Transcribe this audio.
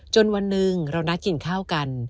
จนวันนึงเรานักกินข้าวกัน